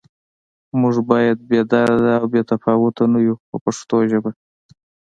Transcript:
موږ باید بې درده او بې تفاوته نه یو په پښتو ژبه.